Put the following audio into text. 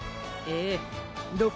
えっ？